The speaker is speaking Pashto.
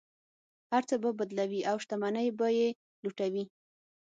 هر څه به بدلوي او شتمنۍ به یې لوټوي.